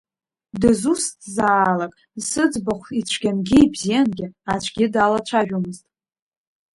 Дызусҭзаалак, сыӡбахә ицәгьангьы ибзиангьы аӡәгьы далацәажәомызт.